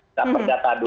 tetap perdata dulu